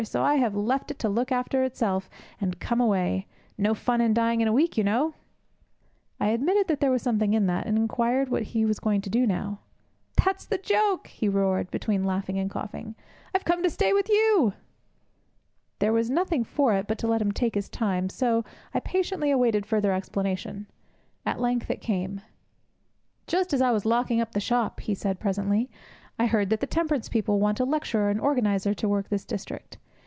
So I've left it to look after itself, and come away. No fun in dying in a week, you know!' I admitted that there was something in that, and inquired what he was going to do now. 'That's the joke!' he roared, between laughter and coughing. 'I've come to stay with you.' There was nothing for it but to let him take his time, so I patiently awaited further explanation. At length it came. 'Just as I was locking up the shop,' he said, presently, 'I heard that the temperance people wanted a lecturer and organizer to work this district.